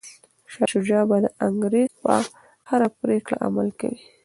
شاه شجاع به د انګریز په هره پریکړه عمل کوي.